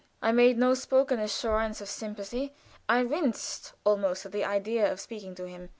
I made no spoken assurance of sympathy. I winced almost at the idea of speaking to him.